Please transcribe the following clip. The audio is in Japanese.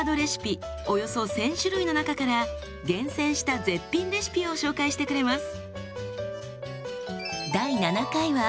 およそ１，０００種類の中から厳選した絶品レシピを紹介してくれます。